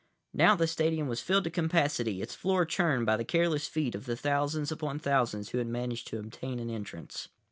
Now the stadium was filled to capacity, its floor churned by the careless feet of the thousands upon thousands who had managed to obtain an entrance.